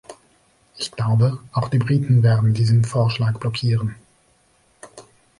Ich glaube, auch die Briten werden diesen Vorschlag blockieren.